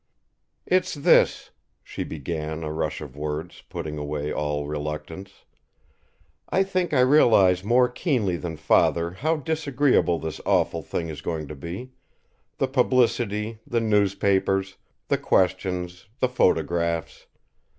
"It's this," she began a rush of words, putting away all reluctance: "I think I realize more keenly than father how disagreeable this awful thing is going to be the publicity, the newspapers, the questions, the photographs.